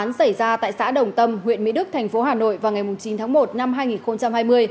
vụ án xảy ra tại xã đồng tâm huyện mỹ đức thành phố hà nội vào ngày chín tháng một năm hai nghìn hai mươi